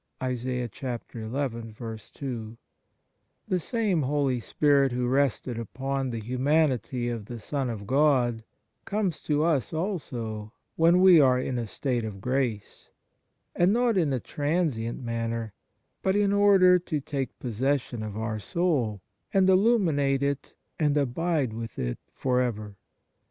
1 The same Holy Spirit who rested upon the humanity of the Son of God comes to us also when we are in a state of grace, and not in a transient manner, but in order to take possession of our soul, and illuminate it and abide with it for ever.